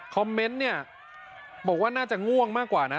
เมนต์เนี่ยบอกว่าน่าจะง่วงมากกว่านะ